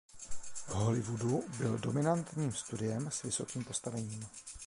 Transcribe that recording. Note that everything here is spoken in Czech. V Hollywoodu bylo dominantním studiem s vysokým postavením.